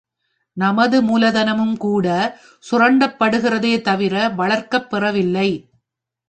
நமது மூலதனமும்கூட சுரண்டப்படுகிறதே தவிர வளர்க்கப் பெறவில்லை.